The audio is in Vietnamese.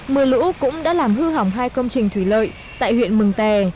mưa lũ cũng đã làm hư hỏng hai công trình thủy lợi tại huyện mường tè